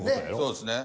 そうですね。